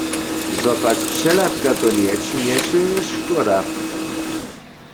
Zo pak přehladka to nječinješe, je škoda.